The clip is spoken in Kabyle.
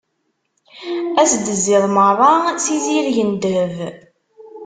Ad as-d-tezziḍ meṛṛa s izirig n ddheb.